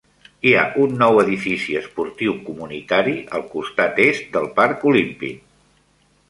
Hi ha un nou edifici esportiu comunitari al costat est del Parc Olímpic.